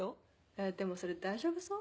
えっでもそれ大丈夫そう？